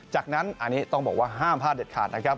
จากนั้นอันนี้ต้องบอกว่าห้ามพลาดเด็ดขาดนะครับ